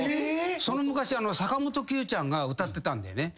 その昔は坂本九ちゃんが歌ってたんだよね。